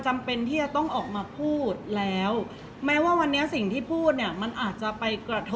เพราะว่าสิ่งเหล่านี้มันเป็นสิ่งที่ไม่มีพยาน